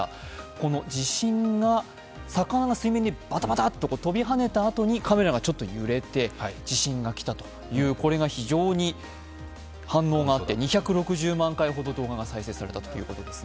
この地震が、魚が水面でバタバタッと跳びはねたあとに地震が来たという、これが非常に反応があって２６０万回ほど動画が再生されたということです。